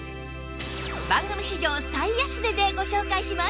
番組史上最安値でご紹介します